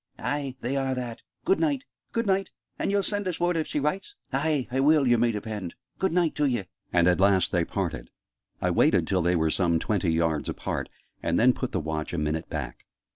"Ay, they are that! Good night!" "Good night! And ye'll send us word if she writes?" "Aye, ah will, yer may depend! Good night t'ye!" And at last they parted. I waited till they were some twenty yards apart, and then put the Watch a minute back.